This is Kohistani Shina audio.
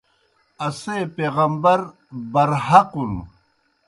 اسے پیغمبر برحقُن۔